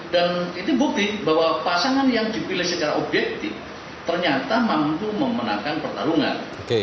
itu bukti bahwa pasangan yang dipilih secara objektif ternyata mampu memenangkan pertarungan